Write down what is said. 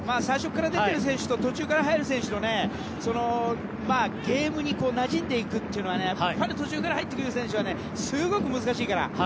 最初から出ている選手と途中から入っている選手とはゲームになじんでいくというのは途中から入ってくる選手はすごく難しいから。